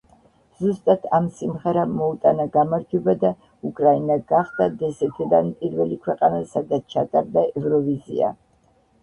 ზუსტად ამ სიმღერამ მოუტანა გამარჯვება და უკრაინა გახდა დსთ-დან პირველი ქვეყანა, სადაც ჩატარდა ევროვიზია.